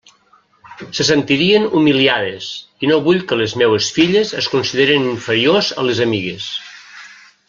Se sentirien humiliades, i no vull que les meues filles es consideren inferiors a les amigues.